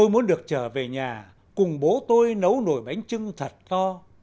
tôi muốn được trở về nhà cùng bố tôi nấu nồi bánh trưng thật to